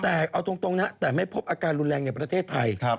แต่เอาตรงนะแต่ไม่พบอาการรุนแรงในประเทศไทย